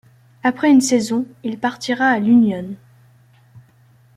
Après une saison, il partira à l'Unión.